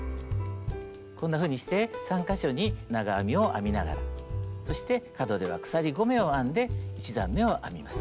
こんなふうにして３か所に長編みを編みながらそして角では鎖５目を編んで１段めを編みます。